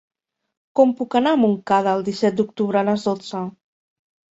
Com puc anar a Montcada el disset d'octubre a les dotze?